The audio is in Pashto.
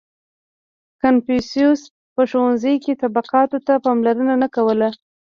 • کنفوسیوس په ښوونځي کې طبقاتو ته پاملرنه نه کوله.